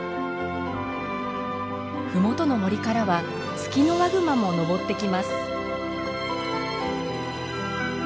麓の森からはツキノワグマものぼってきます。